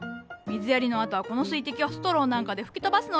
水やりのあとはこの水滴をストローなんかで吹き飛ばすのじゃ。